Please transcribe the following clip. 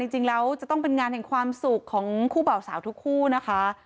จริงแล้วจะต้องเป็นงานแห่งความสุขของคู่เบาสาวทุกคู่นะคะ